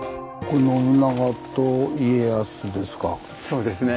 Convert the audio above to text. そうですね。